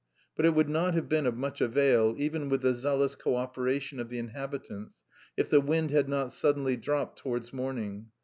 But it would not have been of much avail, even with the zealous co operation of the inhabitants, if the wind had not suddenly dropped towards morning.